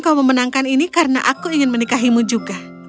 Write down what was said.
kau memenangkan ini karena aku ingin menikahimu juga